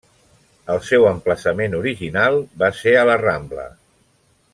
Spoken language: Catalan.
El seu emplaçament original va ser a la Rambla.